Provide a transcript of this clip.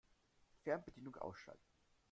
Fernbedienung ausschalten.